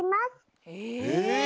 え！